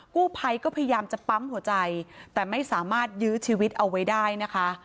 กู้ภัยก็พยายามจะปั๊มหัวใจแต่ไม่สามารถยื้อชีวิตเอาไว้ได้นะคะ